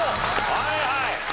はいはい。